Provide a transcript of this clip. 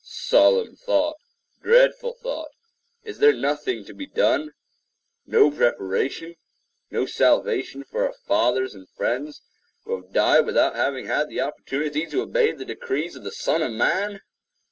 Solemn thought!—dreadful thought! Is there nothing to be done?—no preparation—no salvation for our fathers and friends who have died without having had the opportunity to obey the decrees of the Son of Man?